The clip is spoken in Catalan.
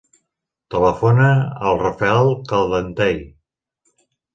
Telefona al Rafael Caldentey.